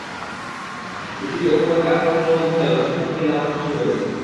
BCB ওপরে ওপরে আশাবাদী মনোভাব দেখালেও সংশয় ঠিকই দানা বাঁধতে শুরু করেছে।